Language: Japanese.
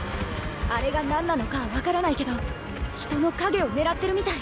あれが何なのかは分からないけど人の影を狙ってるみたい。